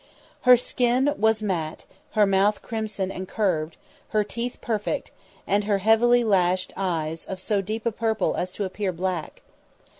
Her skin was matte, her mouth crimson, and curved, the teeth perfect, and her heavily lashed eyes of so deep a purple as to appear black.